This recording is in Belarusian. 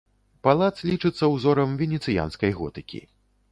Палац лічыцца ўзорам венецыянскай готыкі.